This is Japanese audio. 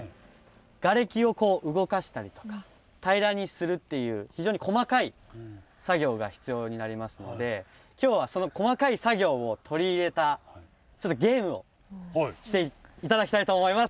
ガレキをこう動かしたりとか平らにするっていう非常に細かい作業が必要になりますので今日はその細かい作業を取り入れたゲームをして頂きたいと思います。